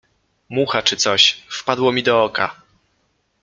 Mucha czy coś — wpadło mi do oka.